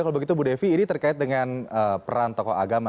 kalau begitu bu devi ini terkait dengan peran tokoh agama